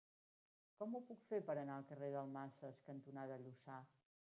Com ho puc fer per anar al carrer Dalmases cantonada Lluçà?